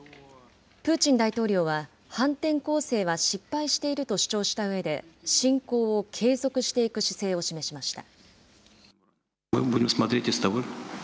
プーチン大統領は反転攻勢は失敗していると主張したうえで、侵攻を継続していく姿勢を示しました。